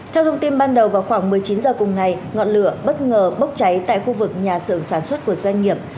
theo thông tin ban đầu vào khoảng một mươi chín h cùng ngày ngọn lửa bất ngờ bốc cháy tại khu vực nhà xưởng sản xuất của doanh nghiệp